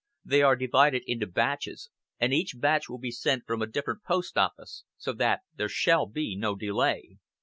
They are divided into batches, and each batch will be sent from a different post office, so that there shall be no delay.